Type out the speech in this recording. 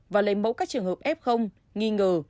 và lấy mẫu các trường hợp f nghi ngờ